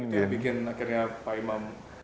itu yang bikin akhirnya pak imam